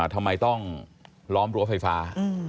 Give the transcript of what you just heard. ทำไมต้องล้อมรั้วไฟฟ้า